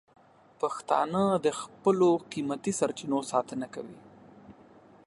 پښتانه د خپلو قیمتي سرچینو ساتنه کوي.